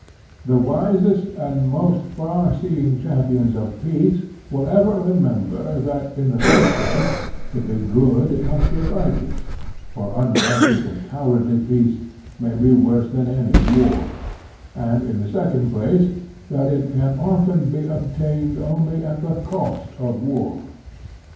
The wisest and most far seeing champions of peace will ever remember that, in the first place, to be good it must be righteous, for unrighteous and cowardly peace may be worse than any war; and, in the second place, that it can often be obtained only at the cost of war.